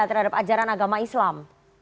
terhadap ajaran agama islam